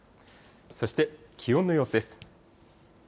そして気温の様子です。